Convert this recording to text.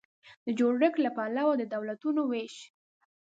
د جوړښت له پلوه د دولتونو وېش